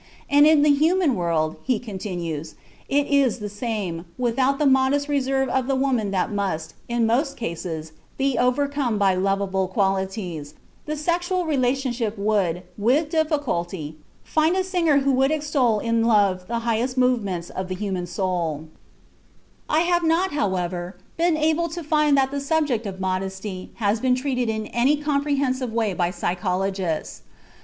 "And in the human world," he continues, "it is the same; without the modest reserve of the woman that must, in most cases, be overcome by lovable qualities, the sexual relationship would with difficulty find a singer who would extol in love the highest movements of the human soul." (Groos, Spiele der Menschen, p. 341.) I have not, however, been, able to find that the subject of modesty has been treated in any comprehensive way by psychologists.